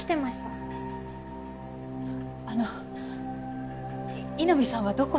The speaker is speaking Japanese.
あの井波さんはどこで？